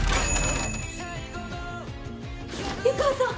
湯川さん！